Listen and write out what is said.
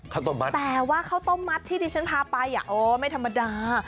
ข้าวต้มมัดแต่ว่าข้าวต้มมัดที่ดิฉันพาไปไม่ธรรมดา